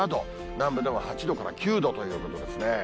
南部でも８度から９度ということですね。